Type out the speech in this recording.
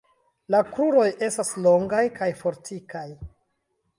La kruroj estas longaj kaj fortikaj.